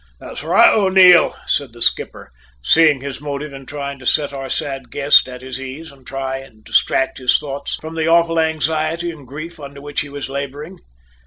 "That's right, O'Neil," said the skipper, seeing his motive in trying to set our sad guest at his ease and to try and distract his thoughts from the awful anxiety and grief, under which he was labouring.